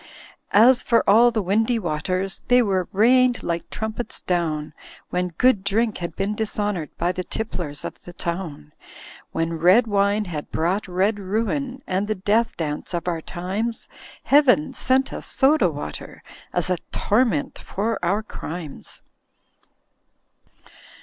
"As for all the windy waters. They were rained like trumpets down. When good drink had been dishonoured By the tipplers of the town. When red wine had brought red ruin. And the death dance of our times. Heaven sent us Soda Water As a torment for our crimes."